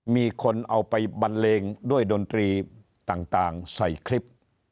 หรือบันเลงด้วยดนตรีใส่งานในคลิป